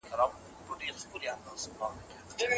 له فتنې څخه به هم امن وي.